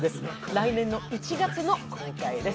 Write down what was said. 来年の１月の公開です。